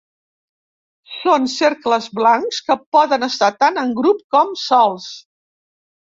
Són cercles blancs que poden estar tant en grup com sols.